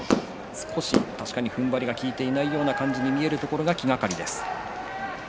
少し確かに、ふんばりが利いていないような感じに見えるところが気がかりです。